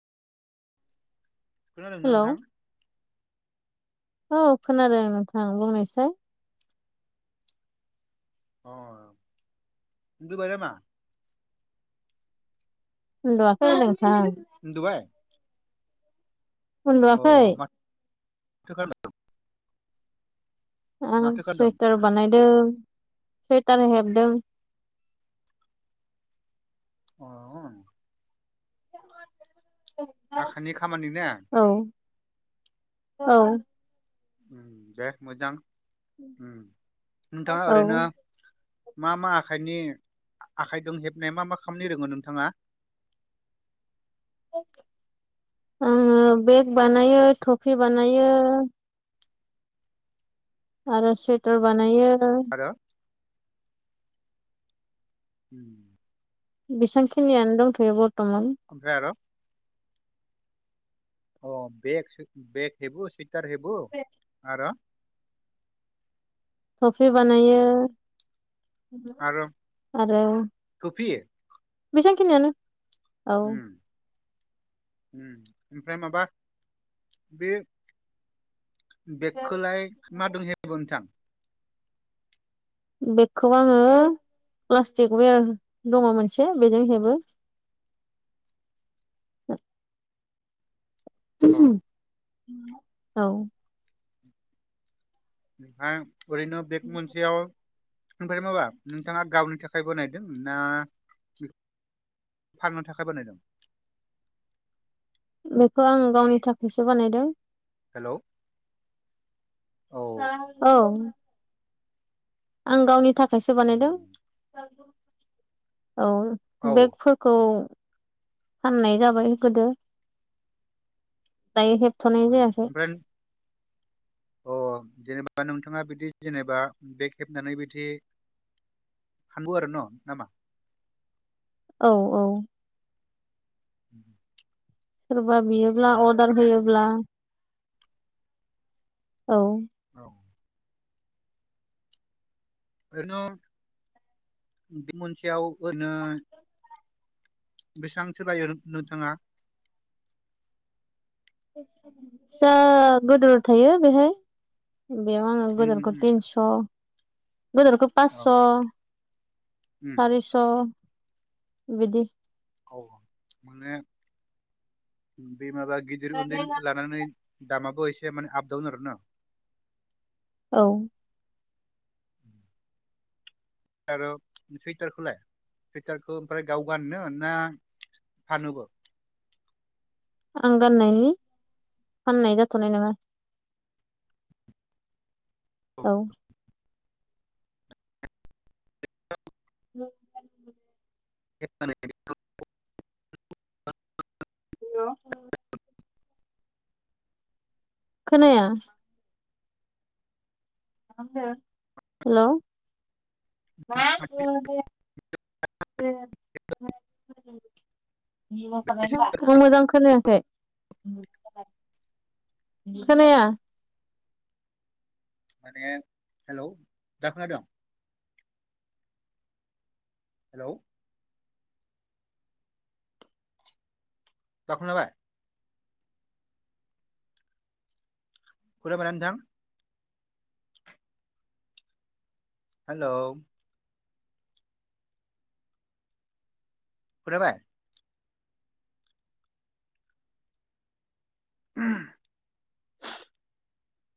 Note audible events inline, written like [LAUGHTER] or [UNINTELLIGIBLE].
खोनादोंना हेलौ नोंथां। औ खोनादों नोंथां बुंनायसाय। अ उन्दुबाय नामा। उन्दुआखै नोंथां। उन्दुबाय उन्दुवाखै। अ माथो खालामदों। आं माथो खालामदों सुइटार बानायदों सुवइटार हेबदों। अ। आखाइनि खामानि ना? औ औ दे मोजां उम नोंथाङा औ ओरैनो मा-मा आखाइनि आखाइजों हेबनाय मा-मा खामनि रोङो नोंथाङा? [UNINTELLIGIBLE] आङो बेग बानायो टफि बानायो। आरो सुवेटार बानायो। आरो उम। बेसांखिनियानो दंथ'यो बथ ओमफ्राय आरो अ बेग हेबु सुइटार हेबु आरो थफि बानायो आरो आरो टफि एसांखिनियानो। उम। उम ओमफ्राय माबा बे बेगखोलाय मा दों हेबगोन नोंथां? बेगखौ आङो प्लास्टिक वेर दङ मोनसे बेजों हेबो। [UNINTELLIGIBLE] अ औ। [UNINTELLIGIBLE] ओरैनो बेक मोनसेयाव। ओमफ्राय माबा नोंथाङा गावनि थाखाय बानायदों ना फाननो थाखाय बानायदों। बेखौ आं गावनि थाखायसो बानायदों। हेलौ। औ औ। आं गावनि थाखायसो बानायदों। उम, औ औ उम, बेगफोरखौ फाननाय जाबाय गोदो। दायो हेबथ'नाय जायाखै। ओमफ्राय अ जेनेबा नोंथाङा बिदि जेनेबा बेग हेबनानै बिदि हांगौ आरो न' नामा। औ औ। [INAUDIBLE] सोरबा बियोब्ला बा अर्डार थिगानो होयोब्ला औ। औ ओरैनो बेग मोनसेयाव ओरैनो बेसांसो लायो नोंथाङा फिसा गोदोर थायो बेहाय‌ बेयाव आङो उम उम गोदोरखौ उम, थिन्स' गोदोरखौ औ पासस' उम सारिस'। बिदि औ माने बे माबा गिदिर उन्दै लानानै दामाबो एसे माने आप डाउन आरो ना औ आरो सुइटारखौलाय सुइटारखौ ओमफ्राय गाव गाननो ना फानोबो? आं गाननायनि फाननाय जाथ'नाय नङा। औ। [UNINTELLIGIBLE] [UNINTELLIGIBLE] हेलौ खोनाया हेल' [UNINTELLIGIBLE] मोजां खोनायाखै खोनाया [UNINTELLIGIBLE] हेलौ दा खोनाबाय खोनाबायना नोंथां? हेलौ खुनाबाय [UNINTELLIGIBLE]